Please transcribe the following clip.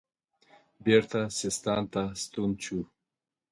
بیرته سیستان ته ستون شو.